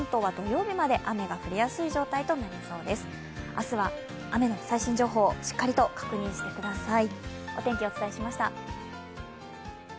明日は雨の最新情報しっかりと確認してください。